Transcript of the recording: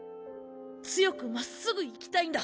強くまっすぐ生きたいんだ。